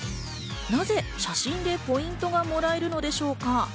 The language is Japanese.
なぜ写真でポイントがもらえるのでしょうか？